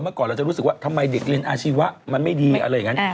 ก่อนเราจะรู้สึกว่าทำไมเด็กเรียนอาชีวะมันไม่ดีอะไรอย่างนั้น